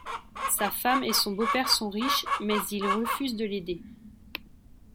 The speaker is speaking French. Sa femme et son beau-père sont riche mais ils refusent de l’aider.